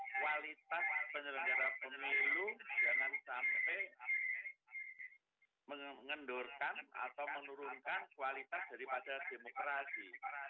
kualitas penyelenggara pemilu jangan sampai mengendurkan atau menurunkan kualitas dari pasar demokrasi